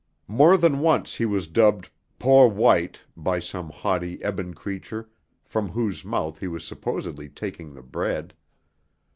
More than once he was dubbed "Po' white!" by some haughty ebon creature from whose mouth he was supposedly taking the bread.